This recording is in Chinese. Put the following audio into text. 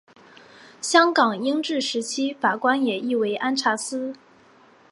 香港英治时期法官也译为按察司。